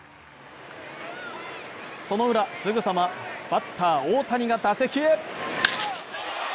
そのウラ、すぐさまバッター大谷が打席へ。